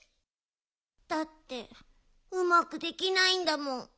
だってうまくできないんだもん。